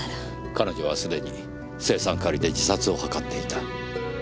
彼女は既に青酸カリで自殺を図っていた。